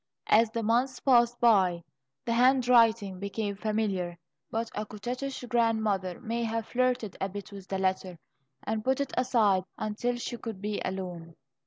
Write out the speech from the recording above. As the months passed by, the handwriting became familiar, but a coquettish grandmother may have flirted a bit with the letter, and put it aside until she could be alone.